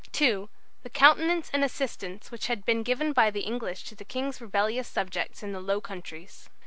(2) "The countenance and assistance which had been given by the English to the King's rebellious subjects in the Low Countries."